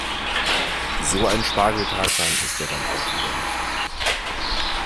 So ein Spargeltarzan ist er dann auch wieder nicht.